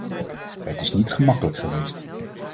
Het is niet gemakkelijk geweest.